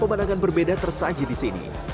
pemandangan berbeda tersaji di sini